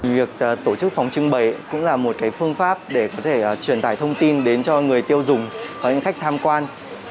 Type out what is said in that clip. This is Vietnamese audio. việc tổ chức phòng trưng bày cũng là một phương pháp để có thể truyền tải thông tin đến cho người tiêu dùng và những khách tham quan